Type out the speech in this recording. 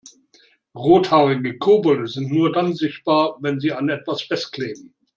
Rothaarige Kobolde sind nur dann sichtbar, wenn sie an etwas festkleben.